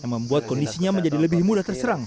membuat kondisinya menjadi lebih mudah terserang